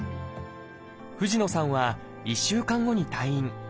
藤野さんは１週間後に退院。